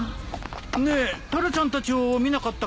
ねえタラちゃんたちを見なかったかい？